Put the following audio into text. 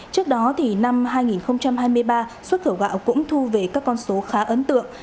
trước đó thì năm hai nghìn hai mươi ba xuất khẩu gạo cũng thu về các con số khá ấn tượng